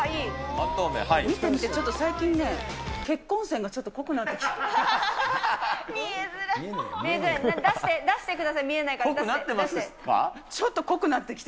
見て見て、ちょっと最近ね、結婚線がちょっと濃くなってきた。